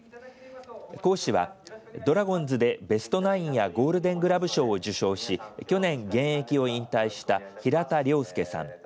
講師はドラゴンズでベストナインやゴールデングラブ賞を受賞し去年現役を引退した平田良介さん